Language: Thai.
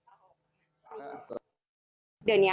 เจ้าของห้องเช่าโพสต์คลิปนี้